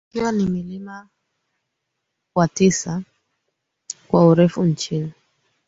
ukiwa ni mlima wa tisa kwa urefu nchini